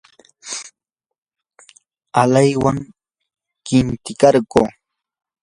alaywan qintikarquu.